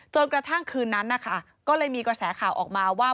จนกระทั่งคืนนั้นนะคะก็เลยมีกระแสข่าวออกมาว่า